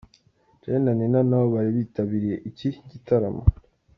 Charly na Nina nabo bari bitabiriye iki gitaramo.